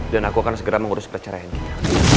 aku akan segera mengurus perceraian kita